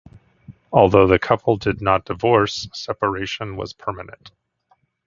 Although the couple did not divorce, the separation was permanent.